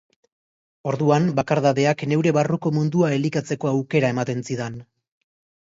Orduan, bakardadeak neure barruko mundua elikatzeko aukera ematen zidan.